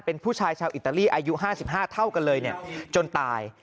เป็นผู้ชายชาวอิตาลีอายุ๕๕เท่ากันเลยจนตาย